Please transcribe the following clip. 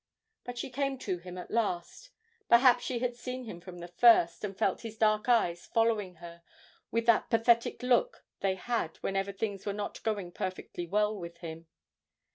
But she came to him at last. Perhaps she had seen him from the first, and felt his dark eyes following her with that pathetic look they had whenever things were not going perfectly well with him.